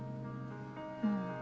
うん。